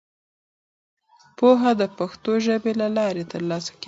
پوهه د پښتو ژبې له لارې ترلاسه کېدای سي.